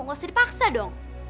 gak usah dipaksa dong